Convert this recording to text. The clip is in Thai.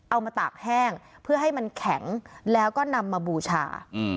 มาตากแห้งเพื่อให้มันแข็งแล้วก็นำมาบูชา